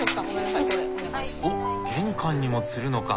おっ玄関にもつるのか。